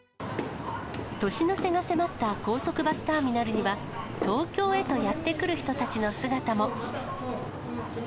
年の瀬が迫った高速バスターミナルには、東京へとやって来る人たちの姿も。